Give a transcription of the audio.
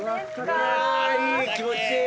あいい気持ちいい。